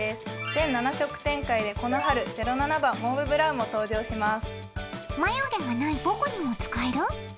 全７色展開でこの春０７番モーヴブラウンも登場します。